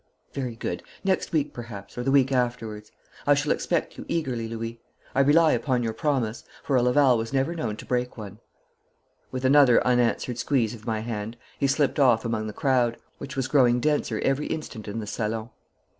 'Very good. Next week perhaps, or the week afterwards. I shall expect you eagerly, Louis. I rely upon your promise, for a Laval was never known to break one.' With another unanswered squeeze of my hand, he slipped off among the crowd, which was growing denser every instant in the salon.